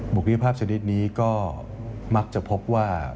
พิภาพชนิดนี้ก็มักจะพบว่า